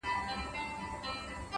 لوړ اخلاق خاموشه تبلیغ دی.!